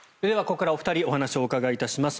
ここからお二人にお話をお伺いします。